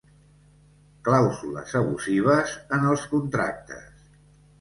Clàusules abusives en els contractes.